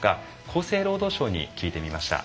厚生労働省に聞いてみました。